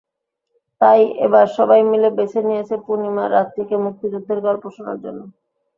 তাই, এবার সবাই মিলে বেছে নিয়েছে পূর্ণিমার রাতটিকে, মুক্তিযুদ্ধের গল্প শোনার জন্য।